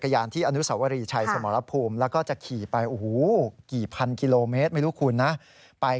กรณีนี้ทางด้านของประธานกรกฎาได้ออกมาพูดแล้ว